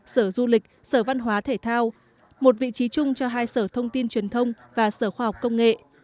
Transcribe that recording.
sở du lịch sở văn hóa thể thao một vị trí chung cho hai sở thông tin truyền thông và sở khoa học công nghệ